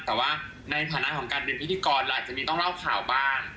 แต่ว่าในฐานะของการเป็นพิธีกรอาจจะมีต้องเล่าข่าวบ้าง